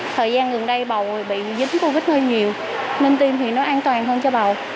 thời gian gần đây bầu bị dính covid hơi nhiều nên tiêm thì nó an toàn hơn cho bầu